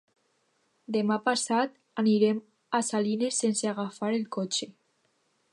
Demà passat anirem a Salines sense agafar el cotxe.